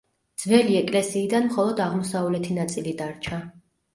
ძველი ეკლესიიდან მხოლოდ აღმოსავლეთი ნაწილი დარჩა.